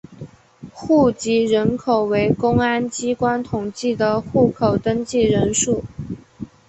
户籍人口为公安机关统计的户口登记人数。